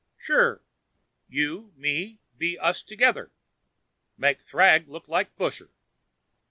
"Sure. You, me be us together. Make thrag look like busher."